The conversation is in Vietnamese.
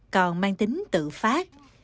còn mang tính tự phát